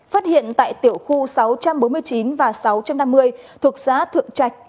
phát hiện tại tiểu khu sáu trăm bốn mươi chín và sáu trăm năm mươi thuộc xã thượng trạch